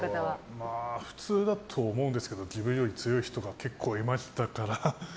まあ、普通だと思うんですけど自分より強い人が結構いましたから。